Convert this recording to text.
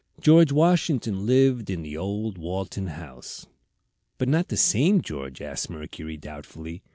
"George Washington lived in the old Walton House." "But not the same George?" asked Mercury, doubtfully.